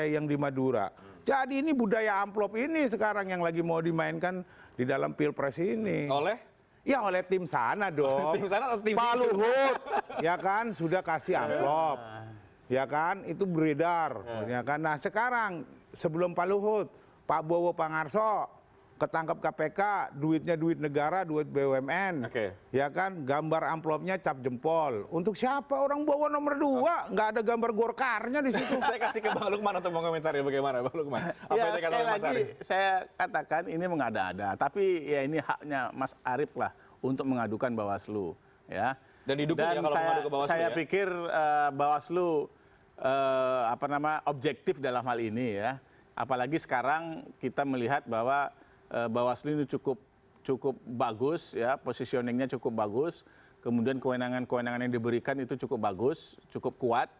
yang bisa dipertanggungjawabkan di dalam audit